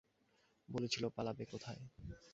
বলেছিল, পালাবে কোথায়।